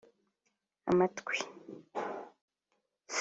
amatwi